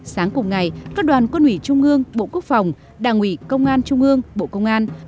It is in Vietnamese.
sáng cùng ngày các đoàn quân ủy trung ương bộ quốc phòng đảng ủy công an trung ương bộ công an